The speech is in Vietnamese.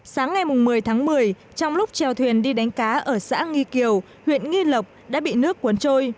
sáng ngày một mươi tháng một mươi trong lúc trèo thuyền đi đánh cá ở xã nghi kiều huyện nghi lộc đã bị nước cuốn trôi